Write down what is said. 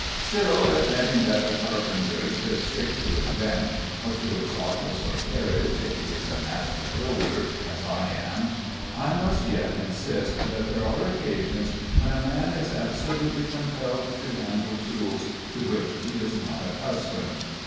Still, admitting that the carpenter should stick to his bench or to his office or carriage, if he is a master builder, as I am I must yet insist that there are occasions when a man is absolutely compelled to handle tools to which he is not accustomed.